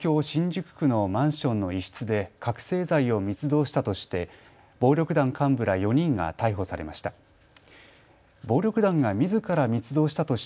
新宿区のマンションの一室で覚醒剤を密造したとして暴力団幹部ら４人が逮捕されました。